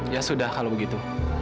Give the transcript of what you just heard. ya sudah kalau begitu